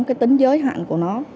cái tính giới hạn của nó